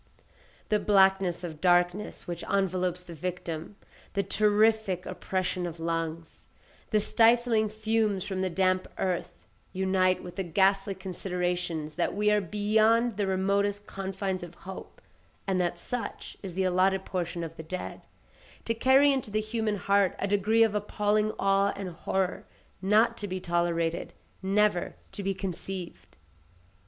The blackness of darkness which envelops the victim, the terrific oppression of lungs, the stifling fumes from the damp earth, unite with the ghastly considerations that we are beyond the remotest confines of hope, and that such is the allotted portion of the dead, to carry into the human heart a degree of appalling awe and horror not to be tolerated—never to be conceived.